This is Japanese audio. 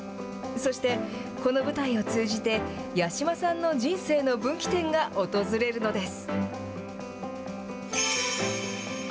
そして、この舞台を通じて、八嶋さんの人生の分岐点が訪れるのです。